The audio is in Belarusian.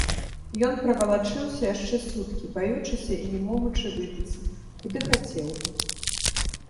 Ён правалачыўся яшчэ суткі, баючыся і не могучы выбіцца, куды хацеў бы.